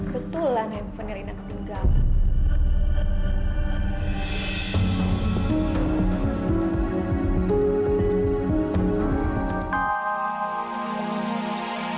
ketulah nen sebenarnya rina ketinggalan